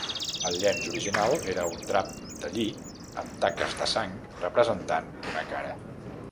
El llenç original era un drap de lli amb taques de sang representant una cara.